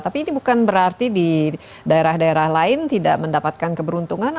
tapi ini bukan berarti di daerah daerah lain tidak mendapatkan keberuntungan